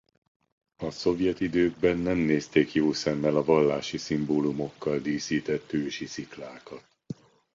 A szovjet időkben nem nézték jó szemmel a vallási szimbólumokkal díszített ősi sziklákat.